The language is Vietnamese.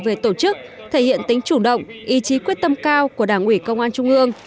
về tổ chức thể hiện tính chủ động ý chí quyết tâm cao của đảng ủy công an trung ương